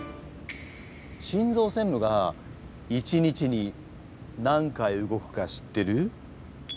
心ぞう専務が一日に何回動くか知ってる？